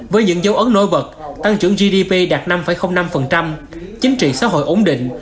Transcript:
với những dấu ấn nổi bật tăng trưởng gdp đạt năm năm chính trị xã hội ổn định